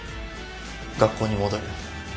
学校に戻る。